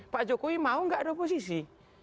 pak jokowi mau gak ada oposisi